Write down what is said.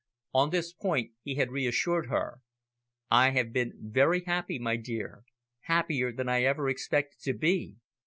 On this point he had reassured her. "I have been very happy, my dear, happier than I ever expected to be.